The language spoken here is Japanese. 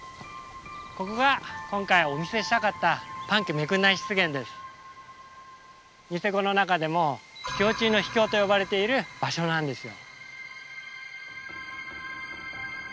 ここが今回お見せしたかったニセコの中でも秘境中の秘境と呼ばれている場所なんですよ。